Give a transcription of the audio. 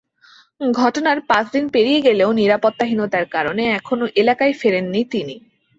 ঘটনার পাঁচ দিন পেরিয়ে গেলেও নিরাপত্তাহীনতার কারণে এখনো এলাকায় ফেরেননি তিনি।